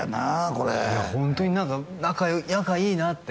これホントに何か仲いいなって